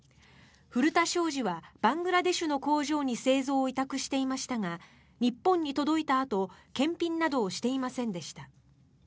古田商事はバングラデシュの工場に製造を委託していましたが日本に届いたあと検品などをしていませんでした。